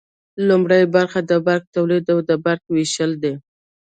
لومړی برخه د برق تولید او د برق ویش دی.